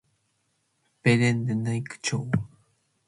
baded naic cho